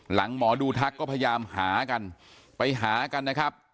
หมอดูทักก็พยายามหากันไปหากันนะครับ